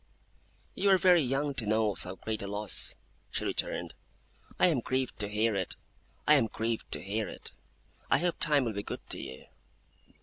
'You are very young to know so great a loss,' she returned. 'I am grieved to hear it. I am grieved to hear it. I hope Time will be good to you.